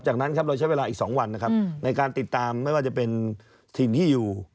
จากนั้นครับเราใช้เวลาอีก๒วันนะครับในการติดตามไม่ว่าจะเป็นถิ่นที่อยู่